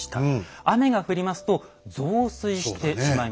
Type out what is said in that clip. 雨が降りますと増水してしまいます。